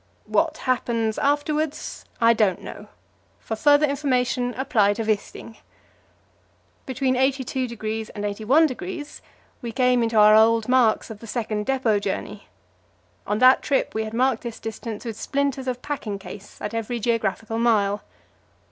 What happens afterwards, I don't know; for further information apply to Wisting. Between 82° and 81° we came into our old marks of the second depot journey; on that trip we had marked this distance with splinters of packing case at every geographical mile.